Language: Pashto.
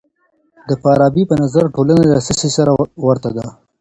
د فارابي په نظر ټولنه له څه سي سره ورته ده؟